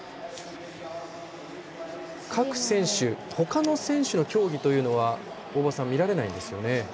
各選手他の選手の競技というのは見られないんですよね？